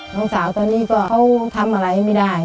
น้องสาวตอนนี้ก็เขาทำอะไรไม่ได้